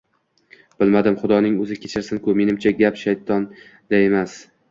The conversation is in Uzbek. Bilmadim...Xudoning o’zi kechirsin-ku, menimcha gap shaytonda emas.